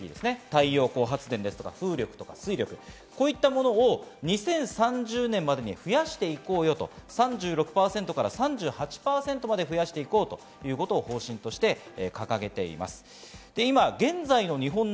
太陽光発電とか風力、水力、こういうものを２０３０年までに増やしていこうよと、３６％から３８％まで増やして行こうということを方針として掲げています。